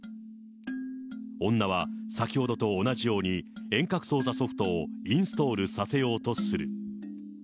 女は先ほどと同じように、遠隔操作ソフトをインストールさせようとする。